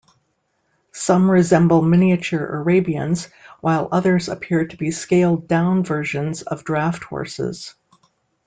Some resemble miniature Arabians, while others appear to be scaled-down versions of draft horses.